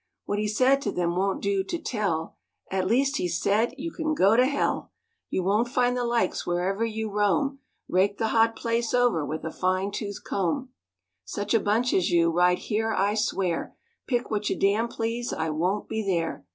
What he said to them won't do to tell, At least he said, "You can go to hell! You won't find the likes wherever you roam, Rake the hot place over with a fine tooth comb. Such a bunch as you,—right here I swear, Pick what you damn please, I won't be there."